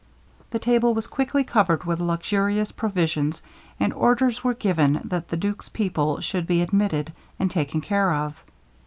The table was quickly covered with luxurious provisions, and orders were given that the duke's people should be admitted, and taken care of.